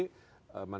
bukan baru diberikan